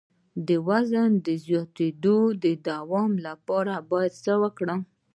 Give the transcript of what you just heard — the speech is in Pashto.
د وزن د زیاتیدو د دوام لپاره باید څه وکړم؟